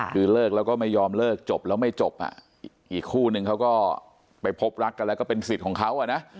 คือเลิกแล้วก็ไม่ยอมเลิกจบแล้วไม่จบอีกคู่นึงเขาก็ไปพบรักกันแล้วก็เป็นสิทธิ์ของเขาอ่ะนะ